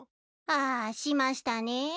あしましたねえ。